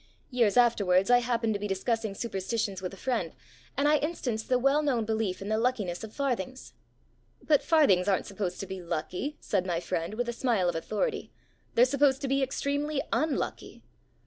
Years afterwards I happened to be discussing superstitions with a friend, and I instanced the well known belief in the luckiness of farthings. "But farthings aren't supposed to be lucky," said my friend, with a smile of authority: "they're supposed to be extremely unlucky."